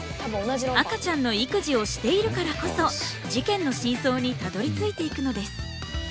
赤ちゃんの育児をしているからこそ事件の真相にたどりついていくのです。